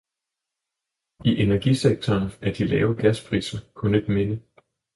I energisektoren er de lave gaspriser kun et minde.